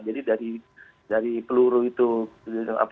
jadi dari peluru itu menghujat